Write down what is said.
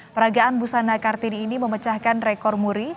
peragaan busana kartini ini memecahkan rekor muri